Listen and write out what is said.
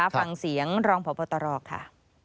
ฟังเสียงรองพบตรค่ะ